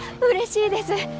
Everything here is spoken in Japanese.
うれしいです。